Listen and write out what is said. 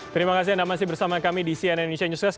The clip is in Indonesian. terima kasih anda masih bersama kami di cnn indonesia newscast